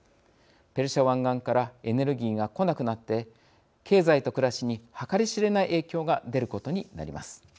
ペルシャ湾岸からエネルギーが来なくなって経済と暮らしに計り知れない影響が出ることになります。